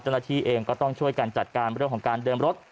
ทัศนธิ์เองก็ต้องช่วยการจัดการเรื่องของการเดินรถ